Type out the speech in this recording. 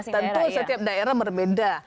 tentu setiap daerah berbeda